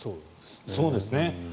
そうですね。